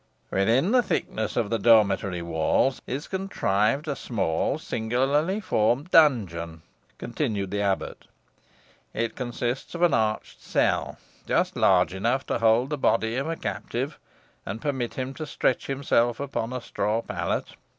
"Within the thickness of the dormitory walls is contrived a small singularly formed dungeon," continued the abbot. "It consists of an arched cell, just large enough to hold the body of a captive, and permit him to stretch himself upon a straw pallet.